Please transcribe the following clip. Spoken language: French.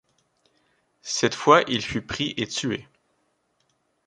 Cette fois il fut pris et tué.